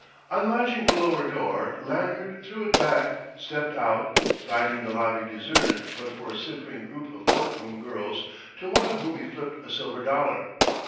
Unlatching the lower door, Lanyard threw it back, stepped out, finding the lobby deserted but for a simpering group of coat room girls, to one of whom he flipped a silver dollar.